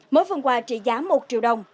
mỗi phần quà trị giá một triệu đồng